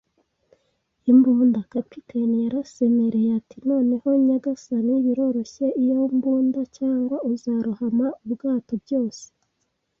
imbunda. Kapiteni yarasemereye ati: “Noneho nyagasani, biroroshye iyo mbunda, cyangwa uzarohama ubwato. Byose